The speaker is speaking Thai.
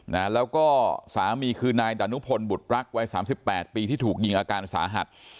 นะแล้วก็สามีคือนายดานุพลบุตรรักวัยสามสิบแปดปีที่ถูกยิงอาการสาหัส